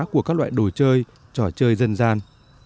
của các loại đồ chơi trò chơi dân gian